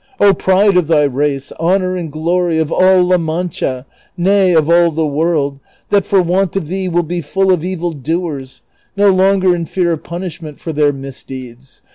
Oh pride of thy race, honor and glory of all La Mancha, nay, of all the world, that for want of thee will be full of evil doers, no longer in fear of punishment for their misdeeds